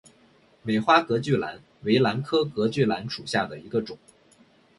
美花隔距兰为兰科隔距兰属下的一个种。